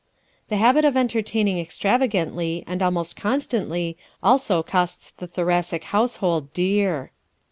The habit of entertaining extravagantly and almost constantly also costs the Thoracic household dear.